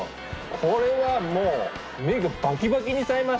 これはもう目がバキバキにさえましたわ。